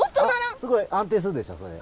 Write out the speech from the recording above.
すごいあんていするでしょそれ。